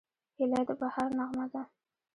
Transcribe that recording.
هیلۍ د بهار نغمه ده